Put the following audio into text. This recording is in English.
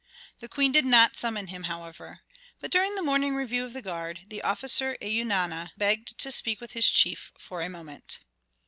The queen did not summon him, however. But during the morning review of the guard, the officer Eunana begged to speak with his chief for a moment.